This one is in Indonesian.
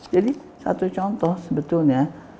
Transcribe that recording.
jadi satu contoh sebetulnya